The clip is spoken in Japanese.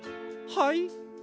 はい？